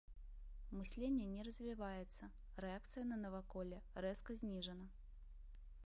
Мысленне не развіваецца, рэакцыя на наваколле рэзка зніжана.